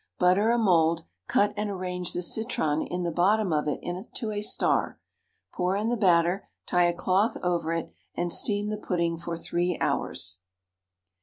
Butter a mould, cut and arrange the citron in the bottom of it into a star, pour in the batter, tie a cloth over it, and steam the pudding for 3 hours.